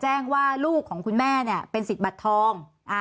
แจ้งว่าลูกของคุณแม่เป็นสิทธิ์บัตรทอง